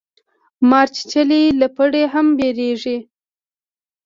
مار چیچلی له پړي هم بېريږي.